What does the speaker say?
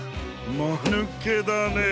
まぬけだねえ。